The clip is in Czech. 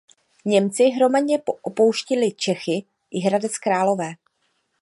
Němci hromadně opouštěli Čechy i Hradec Králové.